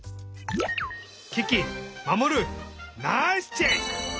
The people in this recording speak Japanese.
キキマモルナイスチェック！